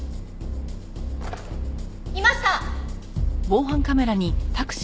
いました！